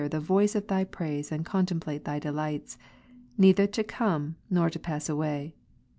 the voice of Thy praise, and contemplate Thy delights, Ps. 27, 4. neither to come, nor to pass away.